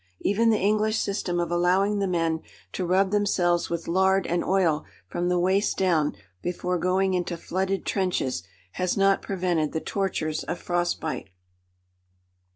Even the English system of allowing the men to rub themselves with lard and oil from the waist down before going into flooded trenches has not prevented the tortures of frostbite.